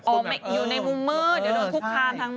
อยู่ในมุมมืดอยู่ในคู่ค้ามทั้ง